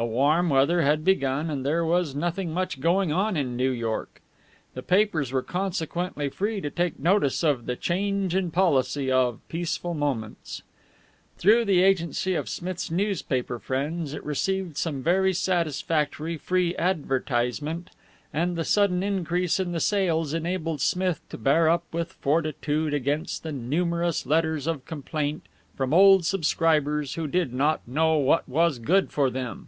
The warm weather had begun, and there was nothing much going on in New York. The papers were consequently free to take notice of the change in the policy of Peaceful Moments. Through the agency of Smith's newspaper friends, it received some very satisfactory free advertisement, and the sudden increase in the sales enabled Smith to bear up with fortitude against the numerous letters of complaint from old subscribers who did not know what was good for them.